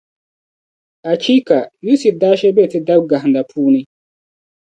Achiika Yusif daa shiri be Ti daba gahinda puuni.